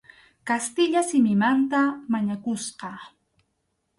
Kastilla simimanta mañakusqa.